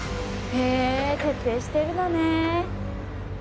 へえ徹底してるのね！